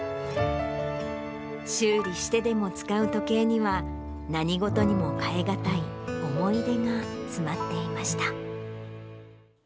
修理してでも使う時計には、何事にも代えがたい思い出が詰まっていました。